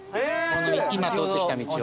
今通ってきた道を。